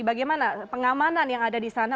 bagaimana pengamanan yang ada disana